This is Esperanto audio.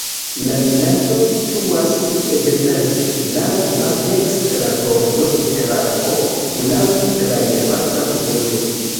La vilaĝo situas sur ebenaĵo, laŭ maldekstra bordo de Dravo, laŭ traira flankovojo.